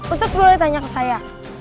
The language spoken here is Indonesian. untuk boleh tanya ke saya